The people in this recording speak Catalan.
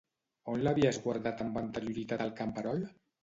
On l'havia esguardat amb anterioritat el camperol?